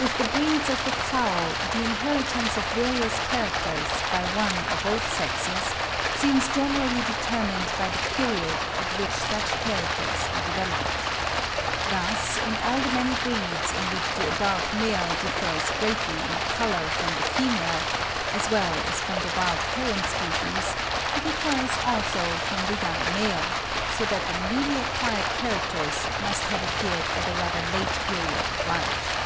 With the breeds of the Fowl the inheritance of various characters by one or both sexes, seems generally determined by the period at which such characters are developed. Thus in all the many breeds in which the adult male differs greatly in colour from the female, as well as from the wild parent species, he differs also from the young male, so that the newly acquired characters must have appeared at a rather late period of life.